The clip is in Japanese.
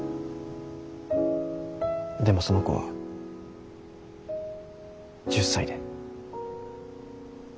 でもその子は１０才で。